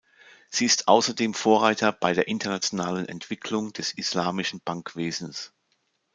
Sie ist außerdem Vorreiter bei der internationalen Entwicklung des islamischen Bankwesens.